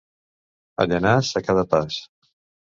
A Llanars, a cada pas.